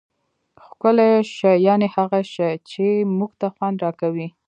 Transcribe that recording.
ښکلی شي یعني هغه شي، چي موږ ته خوند راکوي.